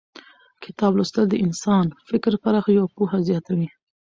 کتاب لوستل د انسان فکر پراخوي او پوهه زیاتوي